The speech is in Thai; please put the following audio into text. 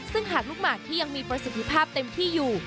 ซึ่งหากลูกหมากที่ยังมีประสิทธิภาพเต็มที่อยู่